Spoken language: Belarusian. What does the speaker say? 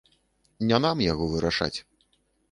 Не нам яго вырашаць.